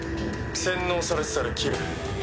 「洗脳されてたら切る」